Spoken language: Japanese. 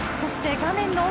画面の奥